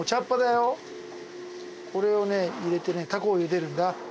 これをね入れてねたこをゆでるんだ。